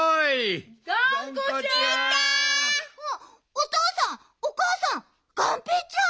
おとうさんおかあさんがんぺーちゃん。